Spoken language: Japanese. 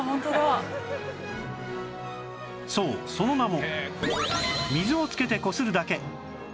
そうその名も